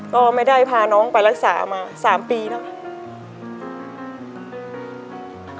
ก็ไม่ได้พาน้องไปรักษามา๓ปีแล้ว